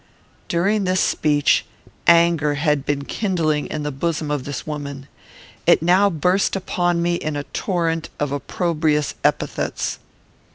During this speech, anger had been kindling in the bosom of this woman. It now burst upon me in a torrent of opprobrious epithets.